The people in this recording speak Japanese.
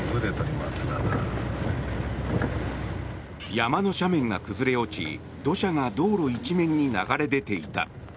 山の斜面が崩れ落ち土砂が道路一面に流れ出ていた。